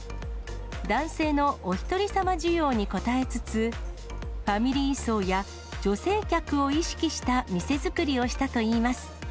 男性のおひとりさま需要に応えつつ、ファミリー層や女性客を意識した店作りをしたといいます。